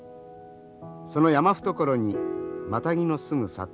その山懐にマタギの住む里